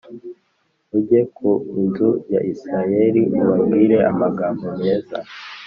ujye ku inzu ya Isirayeli ubabwire amagambo meza.